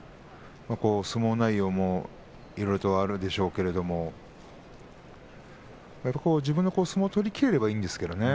相撲内容もいろいろとあるでしょうけれど自分の相撲を取りきれればいいんですけれどね。